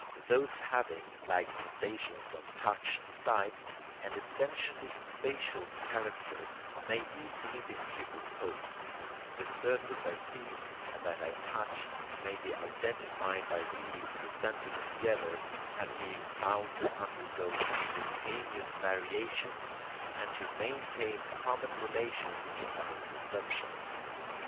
Those having, like sensations of touch and sight, an essentially spatial character, may easily be superposed; the surface I see and that I touch may be identified by being presented together and being found to undergo simultaneous variations and to maintain common relations to other perceptions.